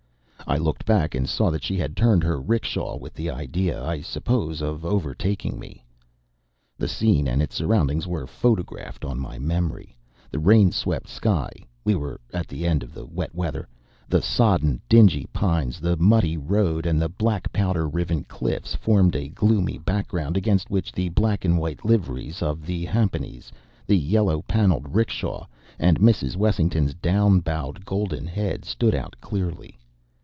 I looked back, and saw that she had turned her 'rickshaw with the idea, I suppose, of overtaking me. The scene and its surroundings were photographed on my memory. The rain swept sky (we were at the end of the wet weather), the sodden, dingy pines, the muddy road, and the black powder riven cliffs formed a gloomy background against which the black and white liveries of the jhampanies, the yellow paneled 'rickshaw and Mrs. Wessington's down bowed golden head stood out clearly.